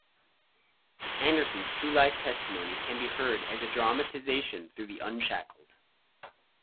Anderson's true life testimony can be heard as a dramatization through the Unshackled!